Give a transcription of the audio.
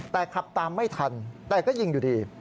แต่ขับตามไม่ทันแต่ก็ยิงอยู่ดี